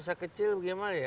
ya masa kecil gimana ya